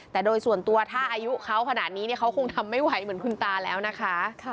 แต่โดยส่วนตัวถ้าอายุเขาขนาดนี้เขาคงทำไม่ไหวเหมือนคุณตาแล้วนะคะ